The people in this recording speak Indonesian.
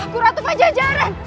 aku ratu maja jarang